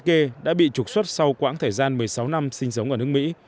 ông pedro vazquez đã bị trục xuất sau khoảng thời gian một mươi sáu năm sinh sống ở nước mỹ